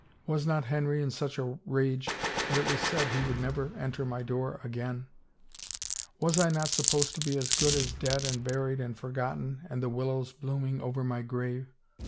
Was not Henry in such a rage that 'twas said he would never enter my door again ? Was I not supposed to be as good as dead and buried and forgotten and the willows blooming over my grave